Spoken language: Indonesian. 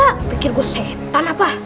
kepikir gue setan apa